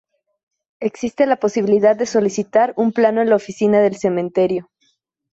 Existe la posibilidad de solicitar un plano en la oficina del cementerio.